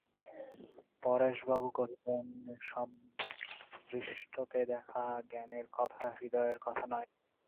পরেশবাবু কহিলেন, সমদৃষ্টতে দেখা জ্ঞানের কথা, হৃদয়ের কথা নয়।